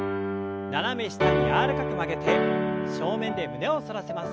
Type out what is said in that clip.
斜め下に柔らかく曲げて正面で胸を反らせます。